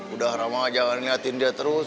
udah ramadhan jangan liatin dia terus